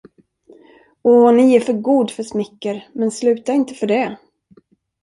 Å, ni är för god för smicker, men sluta inte för det.